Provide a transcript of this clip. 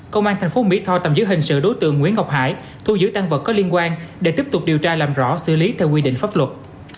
công an tp mỹ tho tạm giữ hình sự đối tượng nguyễn ngọc hải thu giữ tăng vật có liên quan để tiếp tục điều tra làm rõ xử lý theo quy định pháp luật